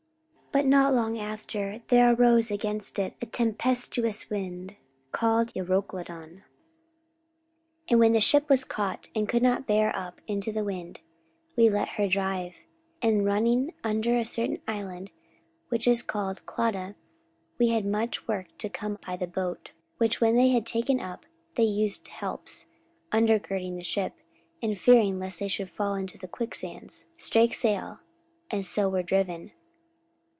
44:027:014 But not long after there arose against it a tempestuous wind, called Euroclydon. 44:027:015 And when the ship was caught, and could not bear up into the wind, we let her drive. 44:027:016 And running under a certain island which is called Clauda, we had much work to come by the boat: 44:027:017 Which when they had taken up, they used helps, undergirding the ship; and, fearing lest they should fall into the quicksands, strake sail, and so were driven.